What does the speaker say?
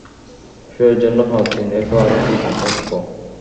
Show এর জন্য পাঁচ দিন, এরপর আরও দুইদিন থাকব।